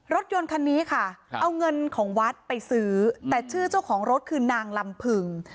รถยนต์คันนี้ค่ะเอาเงินของวัดไปซื้อแต่ชื่อเจ้าของรถคือนางลำพึง